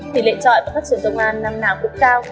tỷ lệ trọi và phát triển công an năm nào cũng cao